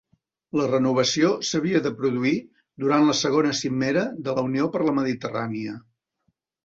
La renovació s’havia de produir durant la segona Cimera de la Unió per la Mediterrània.